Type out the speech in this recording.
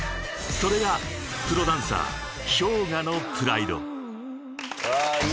［それがプロダンサーＨｙＯｇＡのプライド］ああいいですね。